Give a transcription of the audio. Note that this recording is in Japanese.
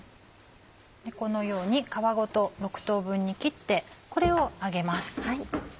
このように皮ごと６等分に切ってこれを揚げます。